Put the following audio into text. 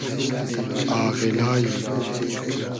آغیلای